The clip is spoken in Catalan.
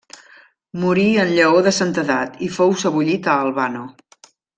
Morí en llaor de santedat i fou sebollit a Albano.